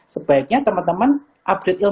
sebaiknya teman teman update ilmu teman teman ya